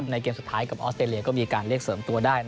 ในเกมสุดท้ายกับออสเตรเลียก็มีการเรียกเสริมตัวได้